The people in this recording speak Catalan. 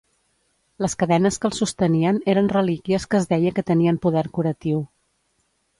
Les cadenes que el sostenien eren relíquies que es deia que tenien poder curatiu.